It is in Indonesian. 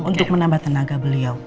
untuk menambah tenaga beliau